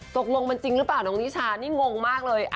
ตกลงมันจริงหรือเปล่าน้องนิชานี่งงมากเลย